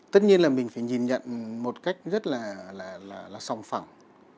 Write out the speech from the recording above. tất nhiên là mình phải nhìn nhận một cách rất là sòng phẳng